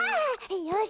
よし！